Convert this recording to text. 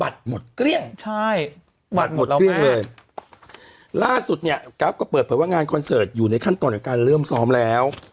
บัตรหมดเครียงใช่บัตรหมดเรามากบัตรหมดเครียงเลยล่าสุดเนี่ยกราฟก็เปิดเผยว่างานคอนเสิร์ตอยู่ในขั้นตอนการเริ่มซ้อมแล้ว